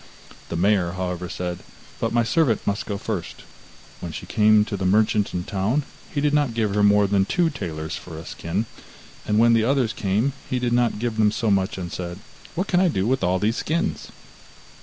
The mayor, however, said: 'But my servant must go first.' When she came to the merchant in the town, he did not give her more than two talers for a skin, and when the others came, he did not give them so much, and said: 'What can I do with all these skins?